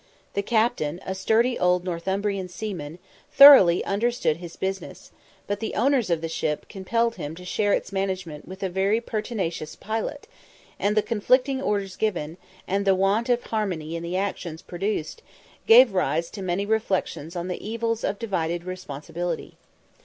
The captain, a sturdy old Northumbrian seaman, thoroughly understood his business; but the owners of the ship compelled him to share its management with a very pertinacious pilot, and the conflicting orders given, and the want of harmony in the actions produced, gave rise to many reflections on the evils of divided responsibility.